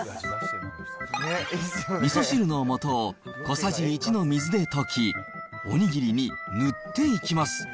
みそ汁のもとを小さじ１の水で溶き、おにぎりに塗っていきます。